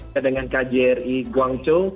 sama dengan kjri guangzhou